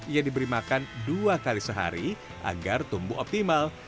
ia diberi makan dua kali sehari agar tumbuh optimal